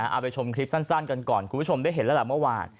เอาไปชมคลิปสั้นกันก่อนคุณผู้ชมได้เห็นแล้วล่ะเมื่อวาน